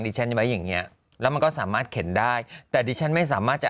ฉันไว้อย่างเงี้ยแล้วมันก็สามารถเข็นได้แต่ดิฉันไม่สามารถจะ